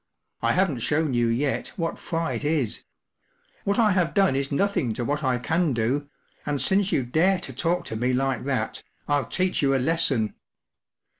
“I haven’t shown you yet what fright is; what I have done is nothing to what I can do, and since you dare to talk to me like that, Ill teach you a lesson."